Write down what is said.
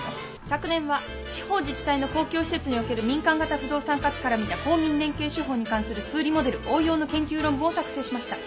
昨年は地方自治体の公共施設における民間型不動産価値から見た公民連携手法に関する数理モデル応用の研究論文を作成しました。